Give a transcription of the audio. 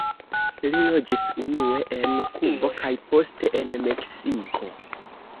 Li loĝis unue en Kubo kaj poste en Meksiko.